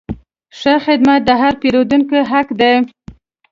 ښه خدمت د هر پیرودونکي حق دی.